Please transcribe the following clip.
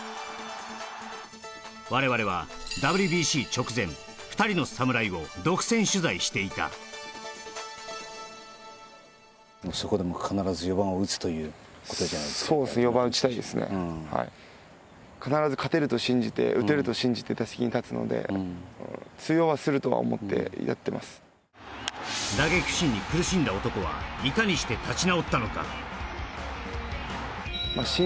我々はＷＢＣ直前２人の侍を独占取材していた打撃不振に苦しんだ男はいかにして立ち直ったのか？